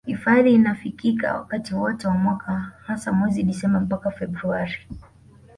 Hifadhi inafikika wakati wote wa mwaka hasa mwezi Disemba mpaka Februari